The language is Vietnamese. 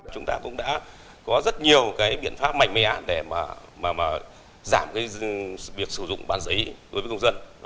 chúng ta cũng đã có rất nhiều biện pháp mạnh mẽ để giảm việc sử dụng bán giấy đối với công dân